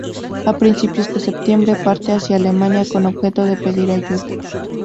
A principios de septiembre parte hacia Alemania con objeto de pedir ayuda.